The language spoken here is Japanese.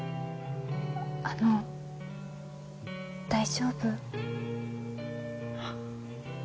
あの大丈夫？